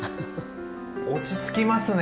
落ち着きますね。